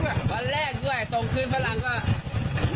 พี่วินอีกคนทั้งนะครับ